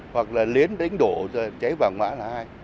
hoặc là liến đánh đổ rồi cháy vàng mã là hai